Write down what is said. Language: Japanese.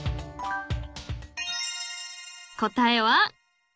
［答えは］